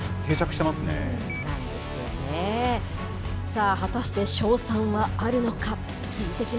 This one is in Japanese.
さあ、果たして勝算はあるのか。